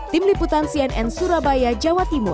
tim liputan cnn surabaya jawa timur